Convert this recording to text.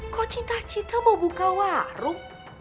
kok cita cita mau buka warung